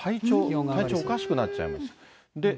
だから体調おかしくなっちゃいます。